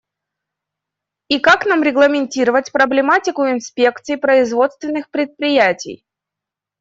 И как нам регламентировать проблематику инспекций производственных предприятий?